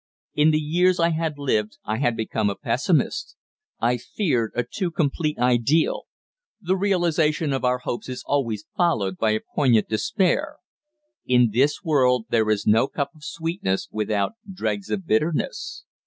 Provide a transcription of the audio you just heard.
In the years I had lived I had become a pessimist. I feared a too complete ideal. The realization of our hopes is always followed by a poignant despair. In this world there is no cup of sweetness without dregs of bitterness.